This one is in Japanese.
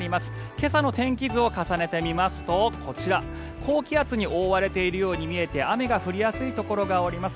今朝の天気図を重ねてみますとこちら高気圧に覆われているように見えて雨が降りやすいところがあります。